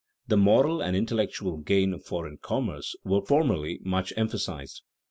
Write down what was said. The moral and intellectual gains of foreign commerce were formerly much emphasized.